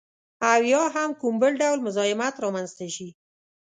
او یا هم کوم بل ډول مزاحمت رامنځته شي